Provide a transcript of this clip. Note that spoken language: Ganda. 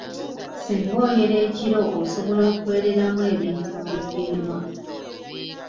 Singa oyera ekiro osobola okwereramu ebintu n'obifiirwa.